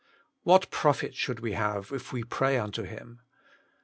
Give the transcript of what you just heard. What profit should we have, if we pray unto Him?"